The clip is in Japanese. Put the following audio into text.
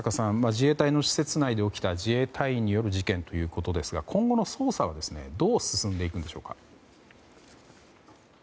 自衛隊の施設内で起きた自衛隊員による事件ということですが今後の捜査はどう進んでいくんでしょうか。